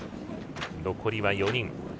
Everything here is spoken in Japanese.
残り４人。